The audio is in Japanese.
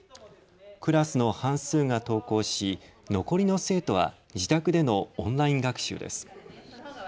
クラスの半数が登校し残りの生徒は自宅でのオンライン学習です。